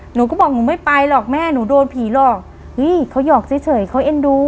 หนูก็บอกหนูไม่ไปหรอกแม่หนูโดนผีหลอกเฮ้ยเขาหยอกเฉยเขาเอ็นดู